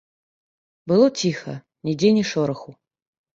Было ціха, нідзе ні шораху.